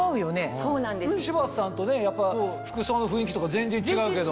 柴田さんとやっぱ服装の雰囲気とか全然違うけど。